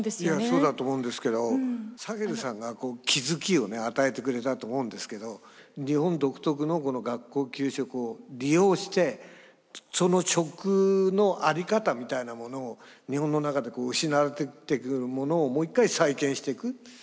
いやそうだと思うんですけどサヘルさんが気付きを与えてくれたと思うんですけど日本独特の学校給食を利用してその食の在り方みたいなものを日本の中で失われてくるものをもう一回再建していく。